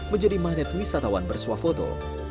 menjadi magnet wisatawan bersuah foto